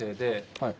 はい。